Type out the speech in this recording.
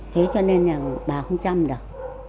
thế cho nên là bà không chăm được